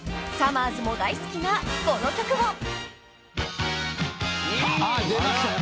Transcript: ［さまぁずも大好きなこの曲も］